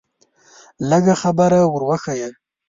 لږه خبره ور وښیه.